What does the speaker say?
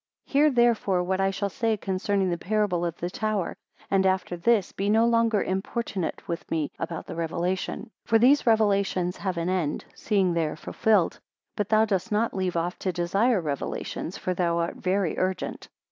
36 Hear therefore what I shall say concerning the parable of the tower, and after this be no longer importunate with me about the revelation. 37 For these revelations have an end, seeing they are fulfilled. But thou dost not leave off to desire revelations, for thou art very urgent.